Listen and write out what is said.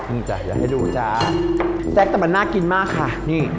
อื้มจ้ะอยากให้ดูจ้าแซ็กแต่มันน่ากินมากค่ะนี่